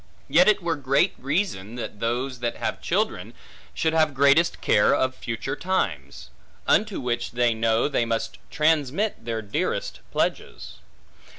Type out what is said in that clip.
Yet it were great reason that those that have children, should have greatest care of future times; unto which they know they must transmit their dearest pledges.